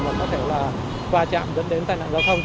mà có thể là va chạm dẫn đến tai nạn giao thông